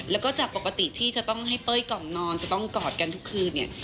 แล้วก็จากปกติที่จะต้องให้เป้ยกล่องนอนจะต้องกอดกันทุกคืนเนี่ย